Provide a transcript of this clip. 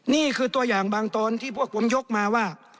นี่คือตัวอย่างบางตอนที่พวกผมยกมาว่า